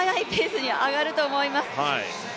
まだ上がると思います。